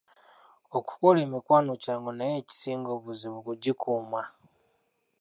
Okukola emikwano kyangu naye ekisinga obuzibu kugikuuma.